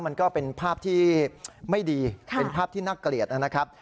มันก็เป็นภาพที่ไม่ดีเป็นภาพที่น่าเกลียดนะครับ